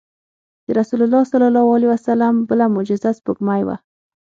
د رسول الله صلی الله علیه وسلم بله معجزه سپوږمۍ وه.